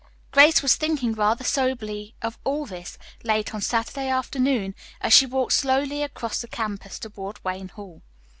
Grace was thinking rather soberly of all this, late on Saturday afternoon as she walked slowly across the campus toward Wayne Hall.